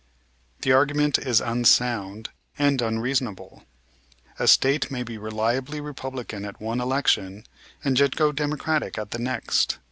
The argument is unsound, and unreasonable; a State may be reliably Republican at one election and yet go Democratic at the next.